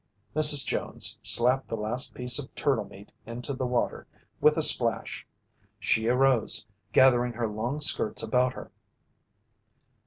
Mrs. Jones slapped the last piece of turtle meat into the water with a splash. She arose, gathering her long skirts about her.